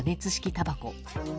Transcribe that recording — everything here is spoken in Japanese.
たばこ。